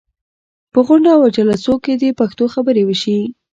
په غونډو او جلسو کې دې پښتو خبرې وشي.